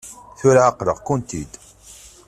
Tura εeqleɣ-kent-id.